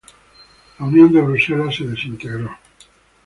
La Unión de Bruselas se desintegró.